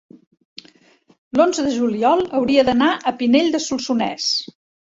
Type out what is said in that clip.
l'onze de juliol hauria d'anar a Pinell de Solsonès.